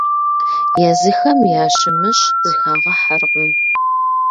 Езыхэм ящымыщ зыхагъэхьэркъым.